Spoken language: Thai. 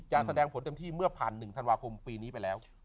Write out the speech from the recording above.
แสดงผลเต็มที่เมื่อผ่าน๑ธันวาคมปีนี้ไปแล้ว